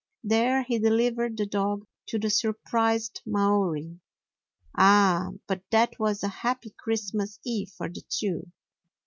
There he delivered the dog to the surprised Maori. Ah, but that was a happy Christmas Eve for the two!